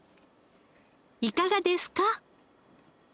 いかがですか？